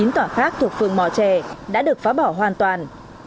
chín tòa khác thuộc phường mò trè đã được phá bỏ hoàn toàn